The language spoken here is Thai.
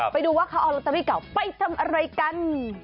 ไปดูว่าเขาเอาลอตเตอรี่เก่าไปทำอะไรกัน